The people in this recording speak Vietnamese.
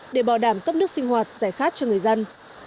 để bảo đảm cấp nước sinh hoạt giải khát cho người dân